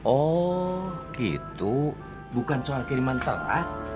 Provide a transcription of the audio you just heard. oh gitu bukan soal kiriman taat